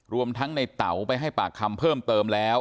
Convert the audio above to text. รวมทั้งในเต๋าไปให้ปากคำเพิ่มเติมแล้ว